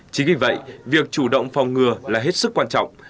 chính vì vậy việc chủ động phòng ngừa là hết sức quan trọng